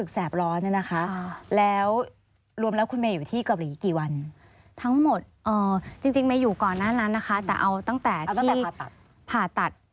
จริงไม่อยู่ก่อนหน้านั้นนะคะแต่เอาตั้งแต่ผ่าตัด